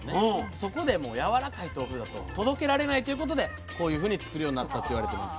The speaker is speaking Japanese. そこでやわらかい豆腐だと届けられないということでこういうふうに作るようになったって言われてます。